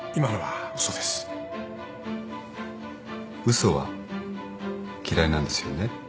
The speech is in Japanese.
嘘は嫌いなんですよね？